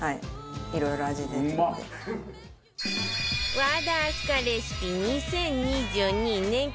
和田明日香レシピ２０２２年間